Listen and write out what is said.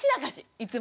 いつも。